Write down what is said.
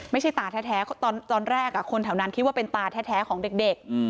ตาแท้ตอนแรกคนแถวนั้นคิดว่าเป็นตาแท้ของเด็ก